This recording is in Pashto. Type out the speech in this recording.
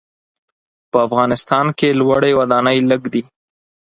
په افغانستان کې لوړې ودانۍ لږ دي.